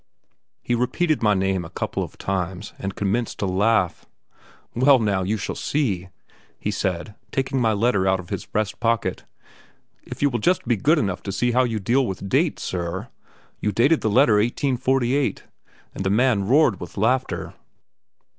He repeated my name a couple of times and commenced to laugh. "Well now, you shall see," he said, taking my letter out of his breast pocket, "if you will just be good enough to see how you deal with dates, sir. You dated your letter 1848," and the man roared with laughter.